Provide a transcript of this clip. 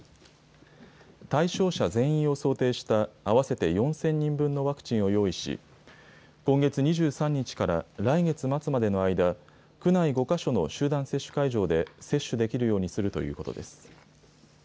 対象者全員を想定した合わせて４０００人分のワクチンを用意し、今月２３日から来月末までの間、区内５か所の集団接種会場で接種できるようにするということです。